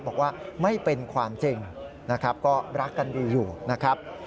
บอกว่าไม่เป็นความจริงนะครับก็รักกันดีอยู่นะครับ